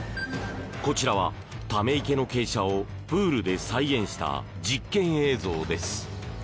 こちらは、ため池の傾斜をプールで再現した実験映像です。